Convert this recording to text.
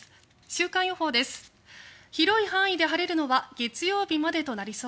週間予報です。